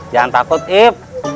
jangan takut ip